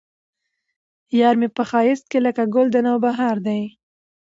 يار مې په ښايست کې لکه ګل د نوبهار دى